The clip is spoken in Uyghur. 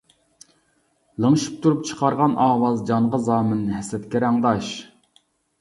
لىڭشىپ تۇرۇپ چىقارغان ئاۋاز، جانغا زامىن ھەسەتكە رەڭداش.